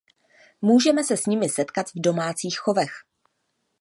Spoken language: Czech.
Můžeme se s nimi setkat v domácích chovech.